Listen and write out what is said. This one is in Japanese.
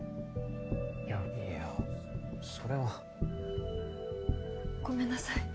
いやいや・それはごめんなさい